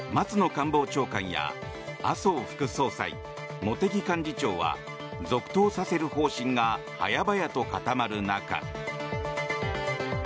官房長官や麻生副総裁茂木幹事長は続投させる方針が早々と固まる中。